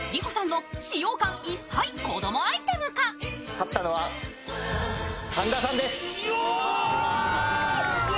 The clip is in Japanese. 勝ったのは神田さんです。